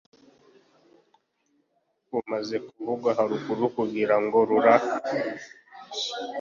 bumaze kuvugwa haruguru kugira ngo rura